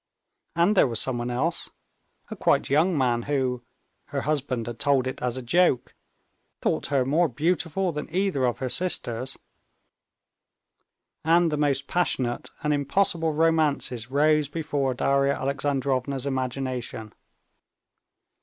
And there was someone else, a quite young man, who—her husband had told her it as a joke—thought her more beautiful than either of her sisters. And the most passionate and impossible romances rose before Darya Alexandrovna's imagination.